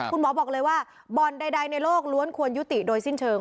คุณหมอบอกเลยว่าบ่อนใดในโลกล้วนควรยุติโดยสิ้นเชิง